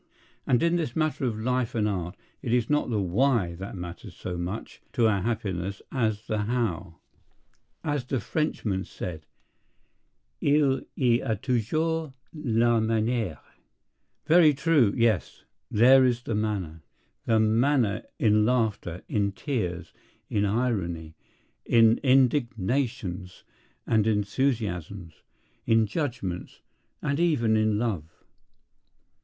And in this matter of life and art it is not the Why that matters so much to our happiness as the How. As the Frenchman said, "Il y a toujours la manière." Very true. Yes. There is the manner. The manner in laughter, in tears, in irony, in indignations and enthusiasms, in judgments—and even in love.